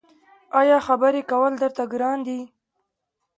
ایا خبرې کول درته ګران دي؟